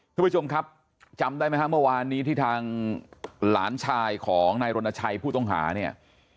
ทุกผู้ชมครับจำได้ไหมฮะเมื่อวานนี้ที่ทางหลานชายของนายรณชัยผู้ต้องหาเนี่ย